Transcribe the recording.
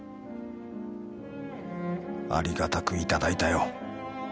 ありがたくいただいたよ。